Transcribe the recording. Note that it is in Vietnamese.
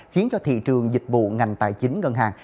khiến cho thị trường dịch vụ ngành tài chính ngân hàng